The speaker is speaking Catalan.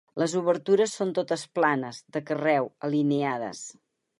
Les obertures són totes planes, de carreu, alineades.